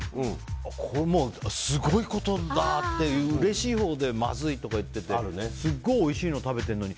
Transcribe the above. これ、すごいことだってうれしいほうでまずいとか言っててすっごいおいしいの食べてるのに